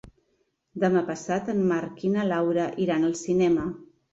Demà passat en Marc i na Laura iran al cinema.